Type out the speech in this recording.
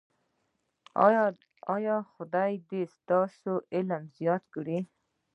ایا خدای دې ستاسو علم زیات کړي؟